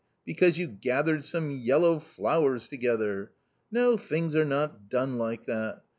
because you gathered some yellow flowers together. ... No, things are not done like that.